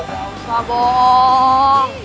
gak usah boong